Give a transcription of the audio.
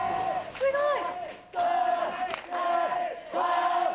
すごい！